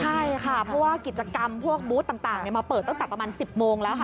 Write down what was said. ใช่ค่ะเพราะว่ากิจกรรมพวกบูธต่างมาเปิดตั้งแต่ประมาณ๑๐โมงแล้วค่ะ